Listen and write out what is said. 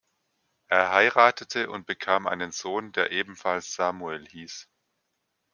Er heiratete und bekam einen Sohn, der ebenfalls Samuel hieß.